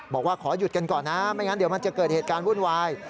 บอกว่าขอหยุดกันก่อนนะไม่งั้นเดี๋ยวมันจะเกิดเหตุการณ์วุ่นวาย